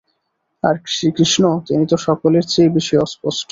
আর শ্রীকৃষ্ণ, তিনি তো সকলের চেয়ে বেশী অস্পষ্ট।